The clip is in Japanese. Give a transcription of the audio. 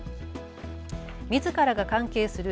みずからが関係する